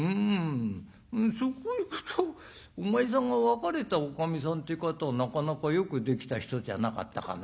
そこいくとお前さんが別れたおかみさんって方はなかなかよくできた人じゃなかったかな」。